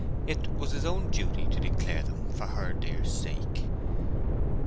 It was his own duty to declare them—for her dear sake.